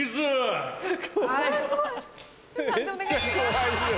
判定お願いします。